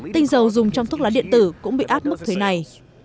tinh dầu dùng trong thuốc lá điện tử cũng bị áp mức thuế này